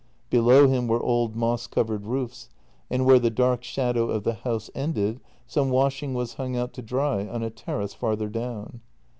Below him were old moss covered roofs, and where the dark shadow of the house ended some washing was hung out to dry on a terrace farther down.